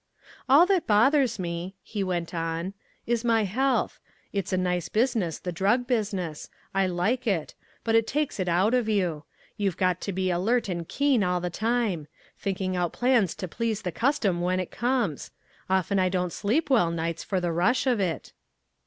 "All that bothers me," he went on, "is my health. It's a nice business the drug business: I like it, but it takes it out of you. You've got to be alert and keen all the time; thinking out plans to please the custom when it comes. Often I don't sleep well nights for the rush of it."